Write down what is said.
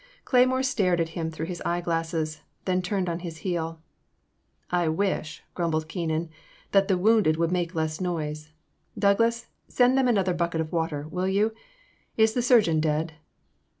Cleymore stared at him through his eyeglasses, then turned on his heel. I wish," grumbled Keenan, *'that the wounded would make less noise. Douglas, send them another bucket of water, will you ? Is the surgeon dead?